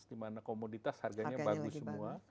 dimana komoditas harganya bagus semua